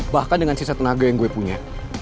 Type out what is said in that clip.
bahkan dengan sisa tenaga yang gue punya